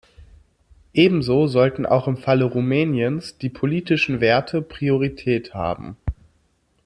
Ebenso sollten auch im Falle Rumäniens die politischen Werte Priorität haben.